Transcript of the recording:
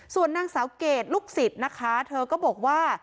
ส่วนนางสาวเกรดลูกศิษย์นะคะเธอก็บอกว่า